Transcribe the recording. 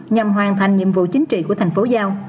nhằm hoàn thành nhiệm vụ chính trị của tp hcm